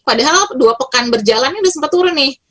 padahal dua pekan berjalannya udah sempat turun nih